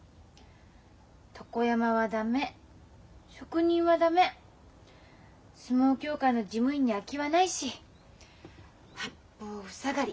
床山は駄目職人は駄目相撲協会の事務員に空きはないし八方塞がり。